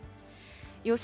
予想